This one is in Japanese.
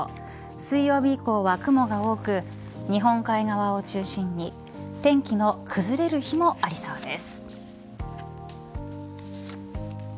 水曜日以降は雲が多く日本海側を中心に天気の崩れる日もありそうです。